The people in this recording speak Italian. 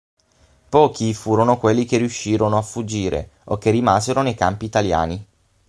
Pochi furono quelli che riuscirono a fuggire o che rimasero nei campi italiani.